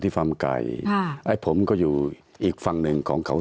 ตั้งแต่เริ่มมีเรื่องแล้ว